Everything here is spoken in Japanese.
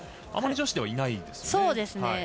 あまり女子ではいないですね。